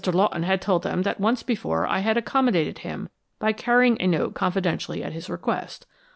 Lawton had told them that once before I had accommodated him by carrying a note confidentially at his request.